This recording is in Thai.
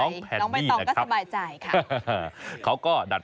มีนี่น้องแพนนี่